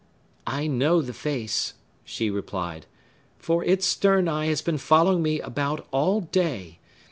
"I know the face," she replied; "for its stern eye has been following me about all day.